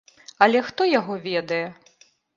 Але хто яго ведае.